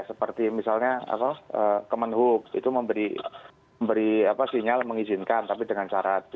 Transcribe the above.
seperti misalnya kemenhub itu memberi sinyal mengizinkan tapi dengan syarat